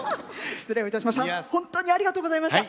失礼をいたしました。